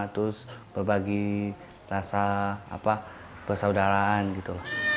terus berbagi rasa apa bersaudaraan gitu